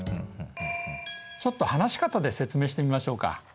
ちょっと話し方で説明してみましょうか。